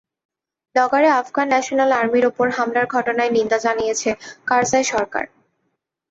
লগারে Afghan national আর্মির ওপর হামলার ঘটনায় নিন্দা জানিয়েছে কারজাই সরকার।